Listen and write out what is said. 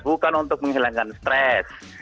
bukan untuk menghilangkan stres